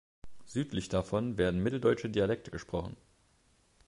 Südlich davon werden mitteldeutsche Dialekte gesprochen.